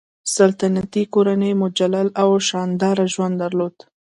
سلطنتي کورنۍ مجلل او شانداره ژوند درلود.